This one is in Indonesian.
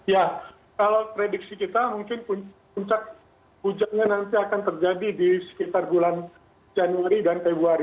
ya kalau prediksi kita mungkin puncak hujannya nanti akan terjadi di sekitar bulan januari dan februari